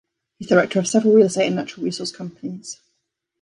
He is the director of several real estate and natural resource companies.